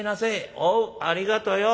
「おうありがとよ。